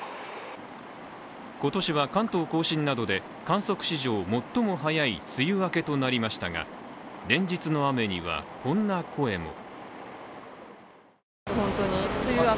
今年は関東甲信などで観測史上最も早い梅雨明けとなりましたが連日の雨には、こんな声も。